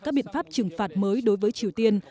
các biện pháp trừng phạt mới đối với triều tiên